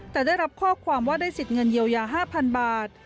แต่ได้รับข้อความว่าได้สิทธิ์เงินเยียวยา๕๐๐๐บาท